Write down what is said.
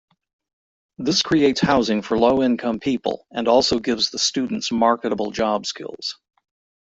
This creates housing for low-income people, and also gives the students marketable job skills.